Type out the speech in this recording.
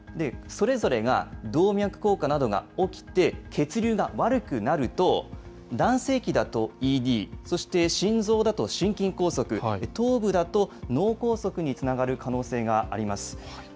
それぞれが動脈硬化などが起きて、血流が悪くなると、男性器だとＥＤ、そして心臓だと心筋梗塞、頭部だと脳梗塞につながる可能性があります。